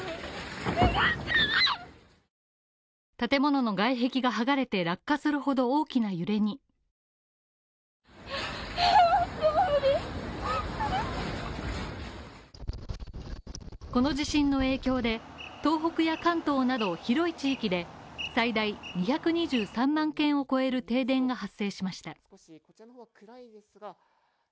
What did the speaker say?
建物の外壁がはがれて落下するほどの大きな揺れにこの地震の影響で東北や関東など広い地域で最大２２３万軒を超える停電が発生しました。